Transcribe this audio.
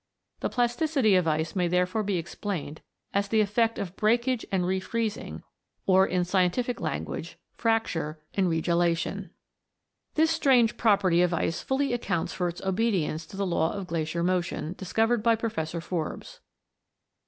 The plasticity of ice may therefore be explained as the effect of breakage and re freezing, or in scientific language, fracture and regelation. MOVING LANDS. 251 This strange property of ice fully accounts for its obedience to the law of glacier motion discovered by Professor Forbes.